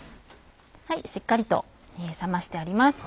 しっかりと冷ましてあります。